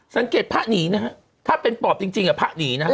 สังเกตภะหนีนะครับถ้าเป็นปอบจริงอ่ะภะหนีนะครับ